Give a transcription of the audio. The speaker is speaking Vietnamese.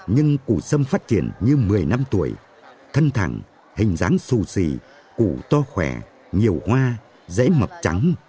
những cụ sâm phát triển như một mươi năm tuổi thân thẳng hình dáng xù xì cụ to khỏe nhiều hoa rễ mập trắng